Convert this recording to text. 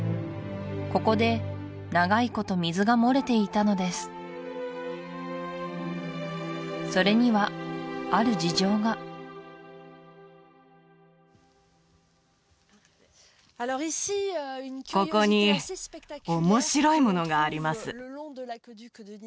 ここで長いこと水が漏れていたのですそれにはある事情がここに面白いものがあります